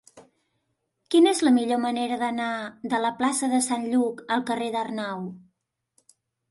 Quina és la millor manera d'anar de la plaça de Sant Lluc al carrer d'Arnau?